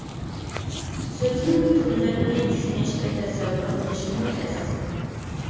سۆزنىڭ تۈرلىرىنى چۈشىنىش ۋە تەسەۋۋۇر قىلىشمۇ تەس.